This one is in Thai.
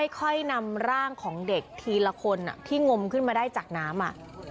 ค่อยนำร่างของเด็กทีละคนที่งมขึ้นมาได้จากน้ำ